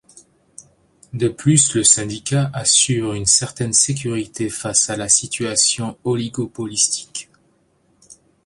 De plus le Syndicat assure une certaine sécurité face à la situation oligopolistique.